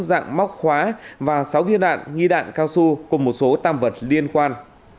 dạng móc khóa và sáu viên đạn nghi đạn cao su cùng một số tam vật liên quan